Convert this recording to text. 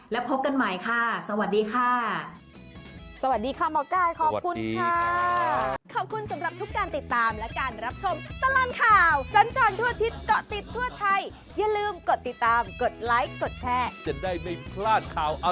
แล้วพบกันใหม่ค่ะสวัสดีค่ะ